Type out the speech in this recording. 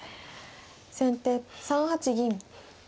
先手３八銀。